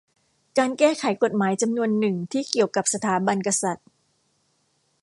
การแก้ไขกฎหมายจำนวนหนึ่งที่เกี่ยวกับสถาบันกษัตริย์